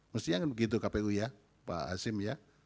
mestinya kan begitu kpu ya pak hasim ya